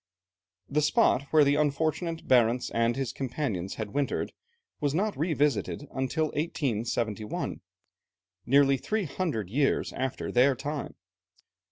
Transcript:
The spot where the unfortunate Barentz and his companions had wintered was not revisited until 1871, nearly three hundred years after their time.